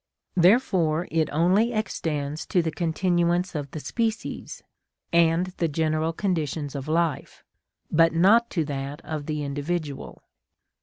Therefore it only extends to the continuance of the species, and the general conditions of life, but not to that of the individual.